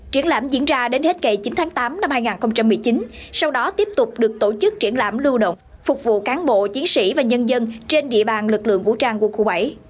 triển lãm diễn ra đến hết kỳ chín tháng tám năm hai nghìn một mươi chín sau đó tiếp tục được tổ chức triển lãm lưu động phục vụ cán bộ chiến sĩ và nhân dân trên địa bàn lực lượng vũ trang quân khu bảy